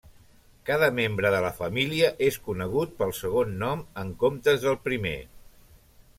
Cada membre de la família és conegut pel segon nom en comptes del primer.